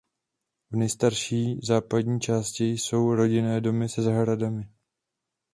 V nejstarší západní části jsou rodinné domy se zahradami.